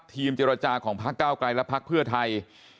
ทีมเจรจาของภาคก้าวใกล่และภาคเพื่อไทย